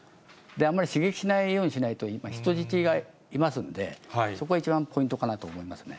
あんまり刺激しないようにしないと、今、人質がいますので、そこが一番ポイントかなと思いますね。